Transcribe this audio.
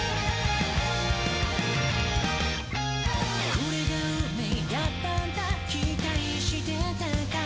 「これが運命だったんだ、期待してたかい？」